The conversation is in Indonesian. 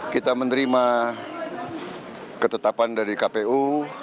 kita menerima ketetapan dari kpu